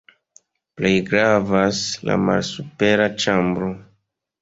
Plej gravas la malsupera ĉambro.